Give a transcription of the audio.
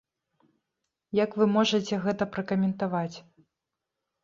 Як вы можаце гэта пракаментаваць?